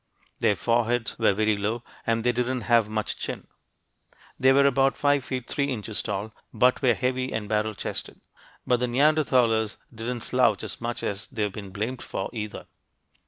Their foreheads were very low, and they didn't have much chin. They were about five feet three inches tall, but were heavy and barrel chested. But the Neanderthalers didn't slouch as much as they've been blamed for, either.